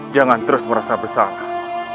jangan terus merasa bersalah